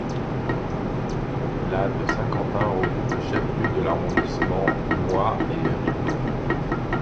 La de Saint-Quentin regroupe le chef-lieu de l'arrondissement, Moÿ et Ribemont.